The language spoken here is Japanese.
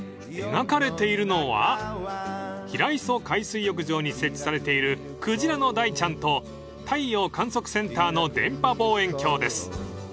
［描かれているのは平磯海水浴場に設置されているクジラの大ちゃんと太陽観測センターの電波望遠鏡です］